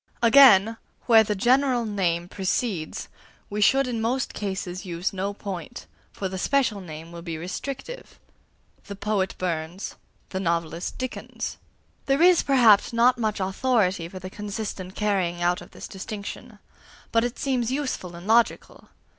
Again, where the general name precedes, we should in most cases use no point, for the special name will be restrictive: "the poet Burns," "the novelist Dickens." There is, perhaps, not much authority for the consistent carrying out of this distinction; but it seems useful and logical.